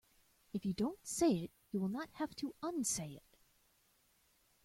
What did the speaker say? If you don't say it you will not have to unsay it.